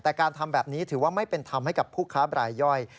แต่การทำแบบนี้ถือว่าไม่เป็นธรรมให้กับผู้ค้าบรายย่อย